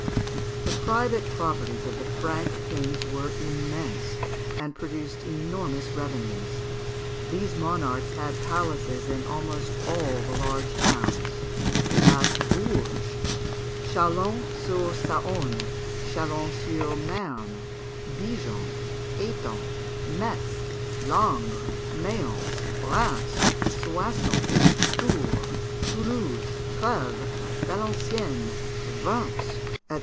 ] The private properties of the Frank kings were immense, and produced enormous revenues. These monarchs had palaces in almost all the large towns; at Bourges, Châlons sur Saône, Châlons sur Marne, Dijon, Étampes, Metz, Langres, Mayence, Rheims, Soissons, Tours, Toulouse, Trèves, Valenciennes, Worms, &c.